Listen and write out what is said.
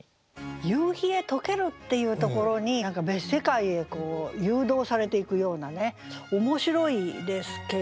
「夕日へ溶ける」っていうところに別世界へ誘導されていくようなね面白いですけど。